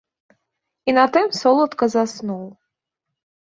І на тым соладка заснуў.